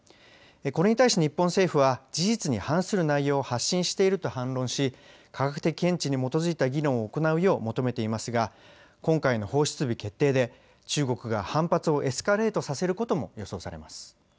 これに対し日本政府は事実に反する内容を発信していると反論し、科学的見地に基づいた議論を行うよう求めていますが今回の放出日決定で中国が反発をエスカレートさせることも予想されます。